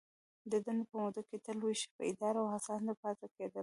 د دندي په موده کي تل ویښ ، بیداره او هڅانده پاته کیدل.